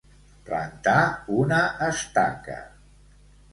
Plantar una estaca.